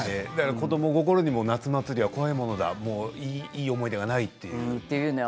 子どもながらにも夏祭りは怖いものだいい思い出がないということですね。